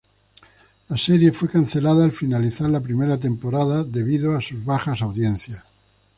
La serie fue cancelada al finalizar la primera temporada debido a sus bajas audiencias.